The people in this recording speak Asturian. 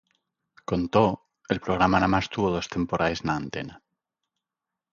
Con too, el programa namás tuvo dos temporaes n'antena.